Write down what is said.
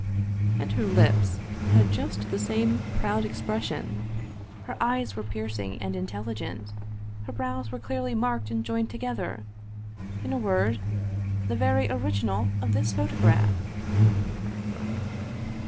And her lips had just the same proud expression. Her eyes were piercing and intelligent, her brows were clearly marked and joined together in a word, the very original of this photograph